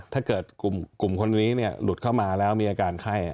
ถ้าเกิดกลุ่มคนนี้หลุดเข้ามาแล้วมีอาการไข้